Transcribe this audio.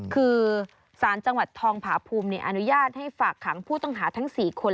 คือสารจังหวัดทองผาภูมิอนุญาตให้ฝากขังผู้ต้องหาทั้ง๔คน